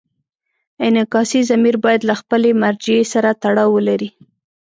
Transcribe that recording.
انعکاسي ضمیر باید له خپلې مرجع سره تړاو ولري.